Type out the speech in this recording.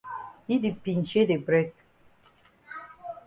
Yi di pinchay de bread.